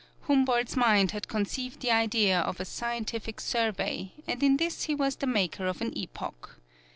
Humboldt's mind had conceived the idea of a Scientific Survey, and in this he was the maker of an epoch.